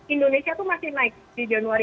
indonesia itu masih naik di januari